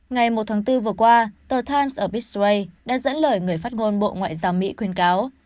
ngày một tháng bốn vừa qua the times of israel đã dẫn lời người phát ngôn bộ ngoại giao mỹ khuyên cáo